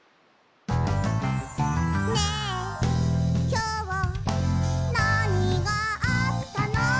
「ねえ、きょう、なにがあったの？」